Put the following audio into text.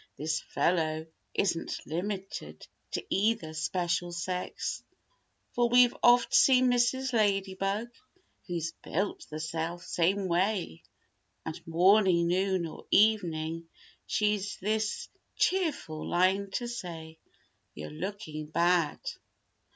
This "fellow" isn't limited to either special sex— For we've oft seen Mrs. Lady Bug who's built the self same way, 42 And morning, noon or evening she's this "cheerful" line to say— "You're looking bad."